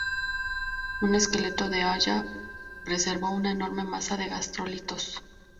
Un esqueleto de "Haya" preservó una enorme masa de gastrolitos.